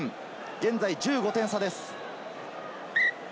現在１５点差です。